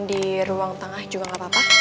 di ruang tengah juga nggak apa apa